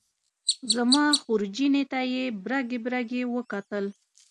زما خورجینې ته یې برګې برګې وکتل.